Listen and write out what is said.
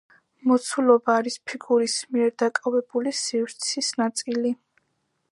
მოცულობა არის ფიგურის მიერ დაკავებული სივრცის ნაწილი.